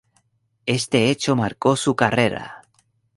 Este hecho marcó su carrera.